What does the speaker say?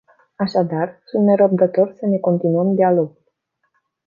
Așadar, sunt nerăbdător să ne continuăm dialogul.